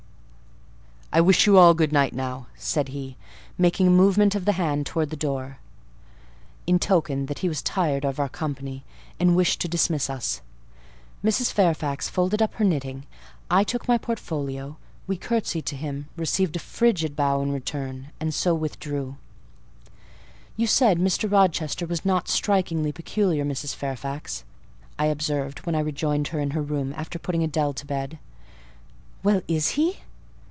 "I wish you all good night, now," said he, making a movement of the hand towards the door, in token that he was tired of our company, and wished to dismiss us. Mrs. Fairfax folded up her knitting: I took my portfolio: we curtseyed to him, received a frigid bow in return, and so withdrew. "You said Mr. Rochester was not strikingly peculiar, Mrs. Fairfax," I observed, when I rejoined her in her room, after putting Adèle to bed. "Well, is he?"